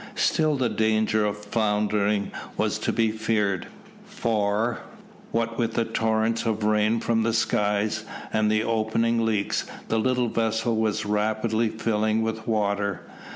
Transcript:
Still the danger of foundering was to be feared, for, what with the torrents of rain from the skies, and the opening leaks, the little vessel was rapidly filling with water.